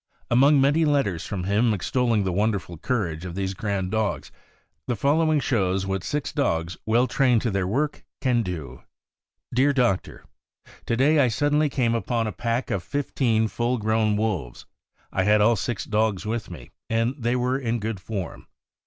Among many letters from him extolling the wonderful courage of these grand dogs, the following shows what six dogs well trained to their work can do: "Dear Doctor: To day I suddenly came upon a pack of iifteen full grown wolves. I had all six dogs with me, and they were in good form.